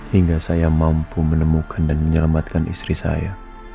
hingga saya mampu menemukan dan menyelamatkan istri saya